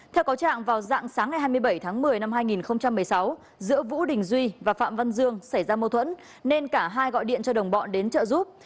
theo cáo trạng vào dạng sáng ngày hai mươi bảy tháng một mươi năm hai nghìn một mươi sáu giữa vũ đình duy và phạm văn dương xảy ra mâu thuẫn nên cả hai gọi điện cho đồng bọn đến trợ giúp